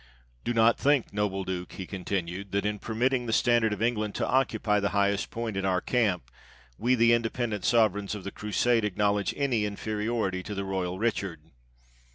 — Do not think, noble Duke," he con tinued, "that, in permitting the standard of England to occupy the highest point in our camp, we, the inde pendent sovereigns of the Crusade, acknowledge any inferiority to the royal Richard.